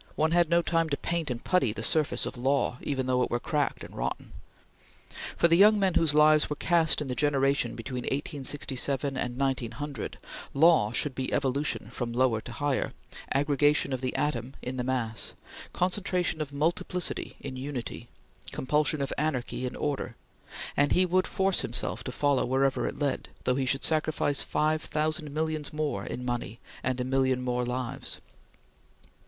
One had no time to paint and putty the surface of Law, even though it were cracked and rotten. For the young men whose lives were cast in the generation between 1867 and 1900, Law should be Evolution from lower to higher, aggregation of the atom in the mass, concentration of multiplicity in unity, compulsion of anarchy in order; and he would force himself to follow wherever it led, though he should sacrifice five thousand millions more in money, and a million more lives.